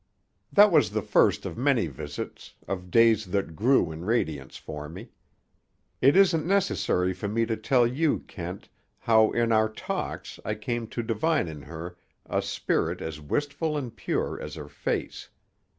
_) That was the first of many visits, of days that grew in radiance for me. It isn't necessary for me to tell you, Kent, how in our talks I came to divine in her a spirit as wistful and pure as her face.